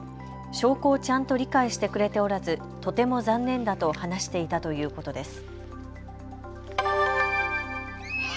証拠をちゃんと理解してくれておらず、とても残念だと話していたということです。